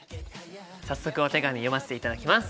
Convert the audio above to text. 早速お手紙読ませていただきます！